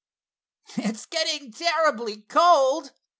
"It's getting terribly cold!"